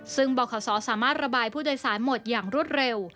ซึ่งบขสามารถระบายผู้โดยสารหมดอย่างรวดเร็ว